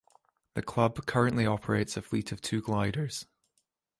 The club currently operates a fleet of two gliders.